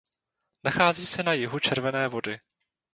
Nachází se na jihu Červené Vody.